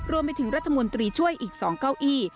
รวมไปถึงรัฐมนตรีช่วยอีก๒เก้าอี้